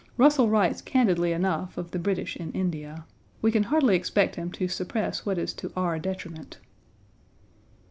Russell writes candidly enough of the British in India. We can hardly expect him to suppress what is to our detriment.